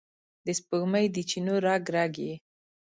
د سپوږمۍ د چېنو رګ، رګ یې،